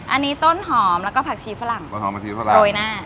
อันนี้ต้นหอมละก็ผักชีฝรั่งอ้วยหน้า